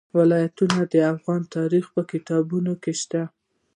ولایتونه د افغان تاریخ په کتابونو کې شته.